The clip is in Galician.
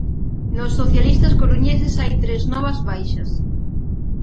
Nos socialistas coruñeses hai tres novas baixas.